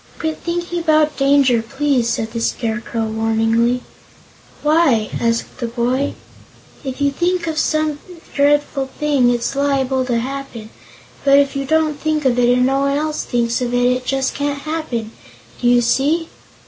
"Quit thinking about danger, please," said the Scarecrow, warningly. "Why?" asked the boy. "If you think of some dreadful thing, it's liable to happen, but if you don't think of it, and no one else thinks of it, it just can't happen. Do you see?"